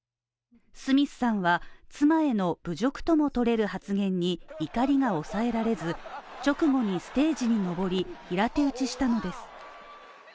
スミスさんは妻への侮辱ともとれる発言に怒りが抑えられず直後にステージに上リ、平手打ちしたのです。